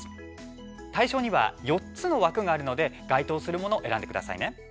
対象には４つの枠があるので該当するものを選んでくださいね。